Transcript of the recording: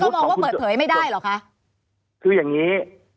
คืออย่างงี้คืออย่างงี้